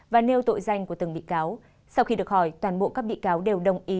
và nêu tội danh của từng bị cáo sau khi được hỏi toàn bộ các bị cáo đều đồng ý